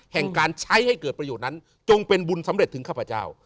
แห่งการใช้ให้เกิดประโยชน์นั้นจงเป็นบุญสำเร็จถึงข้าพเจ้า